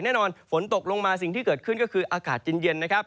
แน่นอนฝนตกลงมาสิ่งที่เกิดขึ้นก็คืออากาศเย็นนะครับ